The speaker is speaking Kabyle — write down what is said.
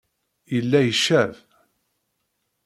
Yella icab.